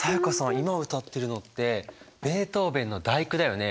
今歌ってるのってベートーベンの「第９」だよね？